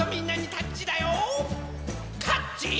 タッチ！